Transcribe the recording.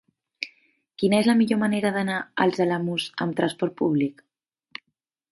Quina és la millor manera d'anar als Alamús amb trasport públic?